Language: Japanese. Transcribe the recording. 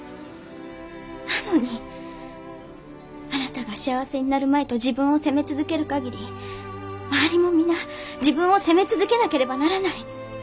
なのにあなたが幸せになるまいと自分を責め続けるかぎり周りもみな自分を責め続けなければならない。